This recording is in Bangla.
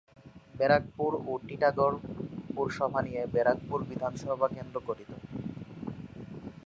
ব্যারাকপুর ও টিটাগড় পুরসভা নিয়ে ব্যারাকপুর বিধানসভা কেন্দ্র গঠিত।